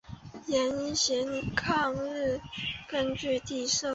盐阜抗日根据地设。